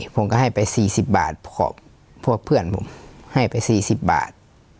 ผมก็ให้ไปสี่สิบบาทพวกเพื่อนผมให้ไปสี่สิบบาท